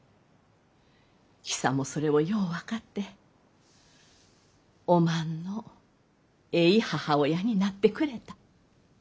ヒサもそれをよう分かっておまんのえい母親になってくれた。